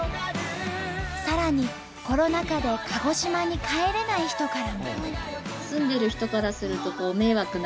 さらにコロナ禍で鹿児島に帰れない人からも。